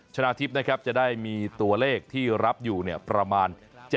ชนะทิพย์นะครับจะได้มีตัวเลขที่รับอยู่ประมาณ